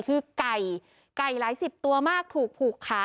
คือไก่ไก่หลายสิบตัวมากถูกผูกขา